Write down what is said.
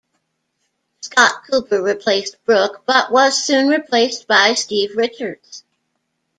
Scott Cooper replaced Brook but was soon replaced by Steve Richards.